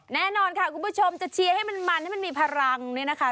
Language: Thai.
แน่นอนค่ะคุณผู้ชมจะเชียร์ให้มันให้มันมีพลังเนี่ยนะคะ